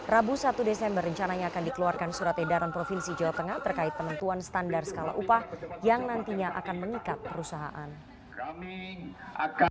rabu satu desember rencananya akan dikeluarkan surat edaran provinsi jawa tengah terkait penentuan standar skala upah yang nantinya akan mengikat perusahaan